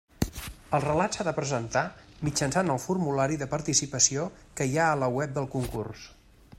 El relat s'ha de presentar mitjançant el formulari de participació que hi ha a la web del concurs.